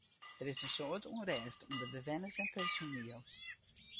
Der is in soad ûnrêst ûnder bewenners en personiel.